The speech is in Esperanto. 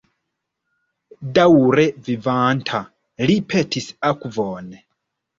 Daŭre vivanta, li petis akvon.